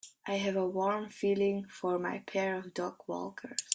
I have a warm feeling for my pair of dogwalkers.